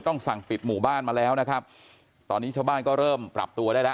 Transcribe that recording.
สั่งปิดหมู่บ้านมาแล้วนะครับตอนนี้ชาวบ้านก็เริ่มปรับตัวได้แล้ว